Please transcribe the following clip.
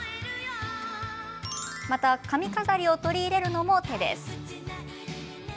また髪飾りを取り入れるのも手です。